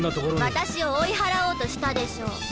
私を追い払おうとしたでしょ？